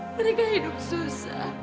mereka hidup susah